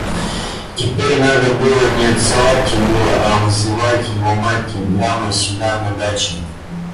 Теперь надо было не отсылать Тимура, а вызывать его мать телеграммой сюда, на дачу.